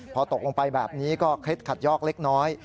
พอตกลงไปแบบนี้ก็เคล็ดขัดยอกเล็กน้อย